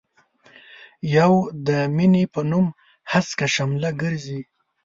يو د مينې په نوم هسکه شمله ګرزي.